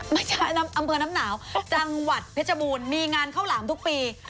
อำเภอน้ำหนาวจังหวัดเพชรบูรณ์มีงานข้าวหลามทุกปี